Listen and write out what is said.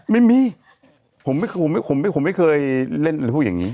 ไม่มีผมไม่เคยเล่นอะไรพวกอย่างนี้